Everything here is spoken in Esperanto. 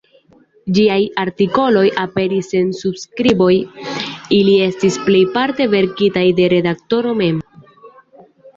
Ĝiaj artikoloj aperis sen subskriboj, ili estis plejparte verkitaj de redaktoro mem.